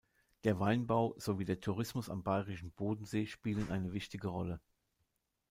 Der Weinbau sowie der Tourismus am Bayerischen Bodensee spielen eine wichtige Rolle.